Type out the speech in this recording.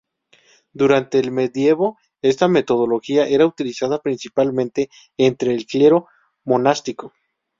Durante el medioevo, esta metodología era utilizada principalmente entre el clero monástico.